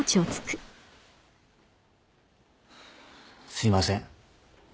すいません。